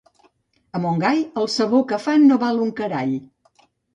A Montgai, el sabó que fan no val un carall.